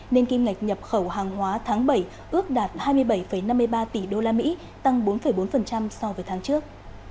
nền kim ngạch nhập khẩu hàng hóa tháng bảy ước đạt hai mươi bảy năm mươi ba tỷ đô la mỹ tăng bốn bốn so với tháng trước